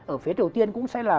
ở phía triều tiên cũng sẽ là